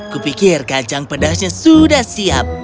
kupikir kacang pedasnya sudah siap